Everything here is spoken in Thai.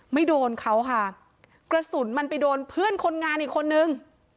ไม่โดนเขาค่ะกระสุนมันไปโดนเพื่อนคนงานอีกคนนึง